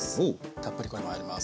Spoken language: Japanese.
たっぷりこれも入ります。